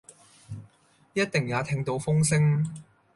一定也聽到風聲，